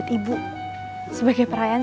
kamu cakep disanjung